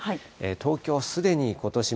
東京すでにことし